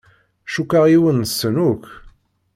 Cukkeɣ yiwen-nsen akk.